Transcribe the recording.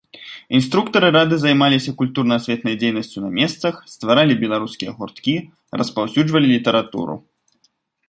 Інструктары рады займаліся культурна-асветнай дзейнасцю на месцах, стваралі беларускія гурткі, распаўсюджвалі літаратуру.